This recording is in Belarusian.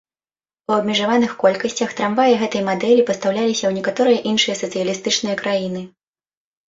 У абмежаваных колькасцях трамваі гэтай мадэлі пастаўляліся ў некаторыя іншыя сацыялістычныя краіны.